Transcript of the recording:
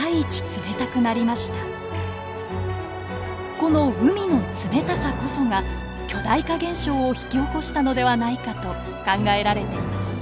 この海の冷たさこそが巨大化現象を引き起こしたのではないかと考えられています。